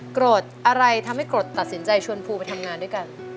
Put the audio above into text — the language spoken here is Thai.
โกรธอะไรทำให้โกรธตัดสินใจชวนภูไปทำงานด้วยกัน